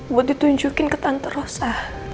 buat ditunjukin ke tante rosa